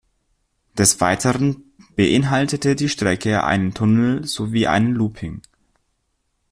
Des Weiteren beinhaltete die Strecke einen Tunnel sowie einen Looping.